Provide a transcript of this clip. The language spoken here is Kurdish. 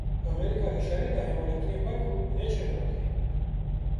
Amerîka hişyarî da hemwelatiyên xwe ku neçin Iraqê.